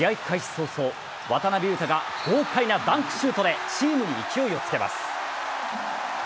早々渡邊雄太が豪快なダンクシュートでチームに勢いをつけます。